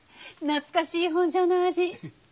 懐かしい本所の味。